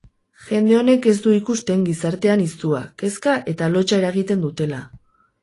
Jende honek ez du ikusten gizartean izua, kezka eta lotsa eragiten dutela.